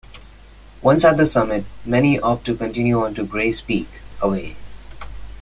Once at the summit, many opt to continue on to Grays Peak, away.